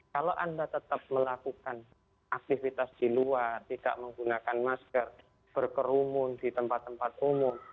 kalau anda tetap melakukan aktivitas di luar tidak menggunakan masker berkerumun di tempat tempat umum